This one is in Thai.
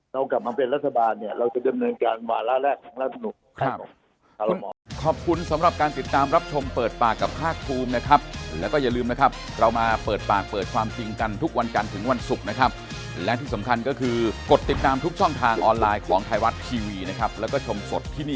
เรากลับมาเป็นรัฐบาลเนี่ยเราจะดำเนินการวาระแรกของรัฐมนุน